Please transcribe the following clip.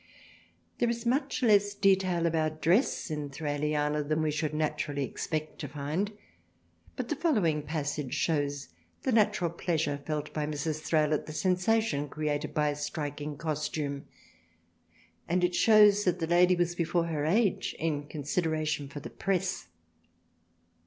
There is much less detail about dress in Thraliana than we should naturally expect to find, but the following passage shews the natural pleasure felt by Mrs. Thrale at the sensation created by a striking costume and it shews that the Lady was before her age in consideration for the Press.